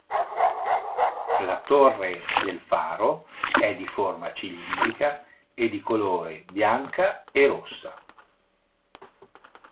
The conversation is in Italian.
La torre del faro è di forma cilindrica e di colore bianca e rossa.